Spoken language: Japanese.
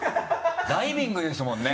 ダイビングですもんね。